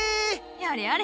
やれやれ